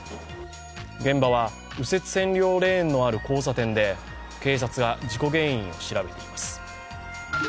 現場は右折専用レーンのある交差点で警察が事故原因を調べています。